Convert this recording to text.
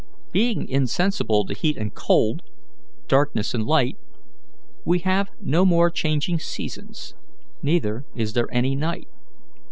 Being insensible to heat and cold, darkness and light, we have no more changing seasons, neither is there any night.